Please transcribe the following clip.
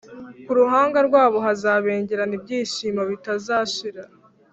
Ku ruhanga rwabo hazabengerana ibyishimo bitazashira,